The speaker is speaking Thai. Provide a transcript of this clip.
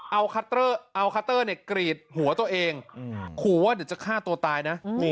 เอาคัตเตอร์กรีดหัวตัวเองขู่ว่าเดี๋ยวจะฆ่าตัวตายนะ